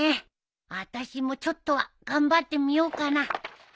あたしもちょっとは頑張ってみようかな！